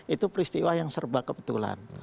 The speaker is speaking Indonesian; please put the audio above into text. itu peristiwa yang serba kebetulan